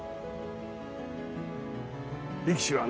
力士はな